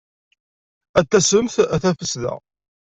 A tassemt a tafesda.